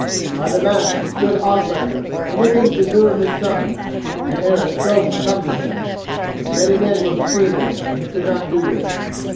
By the mast stood Ospakar and with him Gizur his son, and Eric strove to come to him. But many men were between them, and he could not do this.